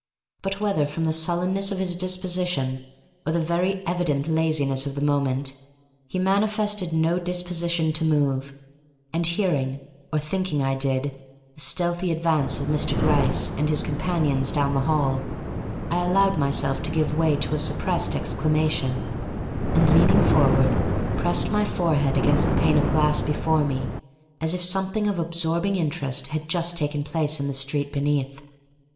But, whether from the sullenness of his disposition or the very evident laziness of the moment, he manifested no disposition to move, and hearing or thinking I did, the stealthy advance of Mr. Gryce and his companions down the hall, I allowed myself to give way to a suppressed exclamation, and leaning forward, pressed my forehead against the pane of glass before me as if something of absorbing interest had just taken place in the street beneath.